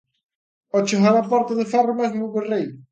Ó chegar á porta de ferro mesmo, berrei: